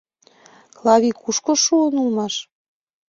Клавий кушко шуын улмаш?